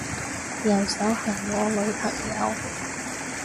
右手係我女朋友